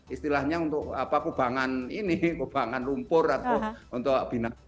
istilahnya untuk kebangan ini kebangan rumpur atau untuk binatang